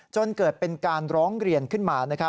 จนเกิดเป็นการร้องเรียนขึ้นมา